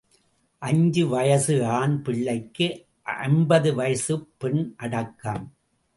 அஞ்சு வயசு ஆண் பிள்ளைக்கு அம்பது வயசுப் பெண் அடக்கம்.